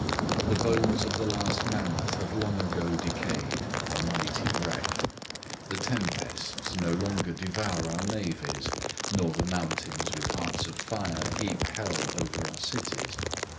The bones of the last mammoth have long ago decayed, a mighty wreck; the tempests no longer devour our navies, nor the mountains with hearts of fire heap hell over our cities.